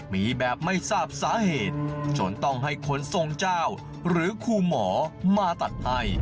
มีแบบไม่ทราบสาเหตุจนต้องให้คนทรงเจ้าหรือครูหมอมาตัดให้